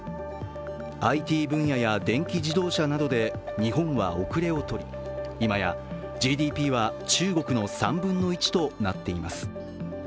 ＩＴ分野や電気自動車などで日本は後れをとり今やＧＤＰは中国の３分の１となっています。